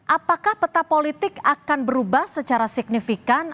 apakah peta politik akan berubah secara signifikan